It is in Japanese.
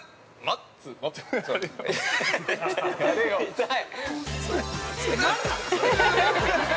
◆痛い。